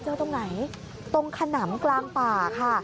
ตรงไหนตรงขนำกลางป่าค่ะ